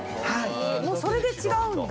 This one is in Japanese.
もうそれで違うんだ？